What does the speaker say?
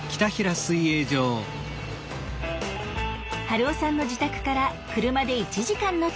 春雄さんの自宅から車で１時間の近場。